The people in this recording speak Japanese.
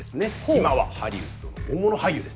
今はハリウッドの大物俳優です。